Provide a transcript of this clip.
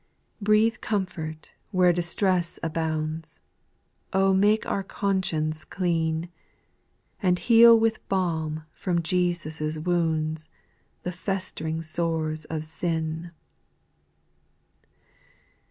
6. Breathe comfort where distress abounds, O make our conscience clean ; And heal with balm from Jesus' wounds, The festering sores of sin.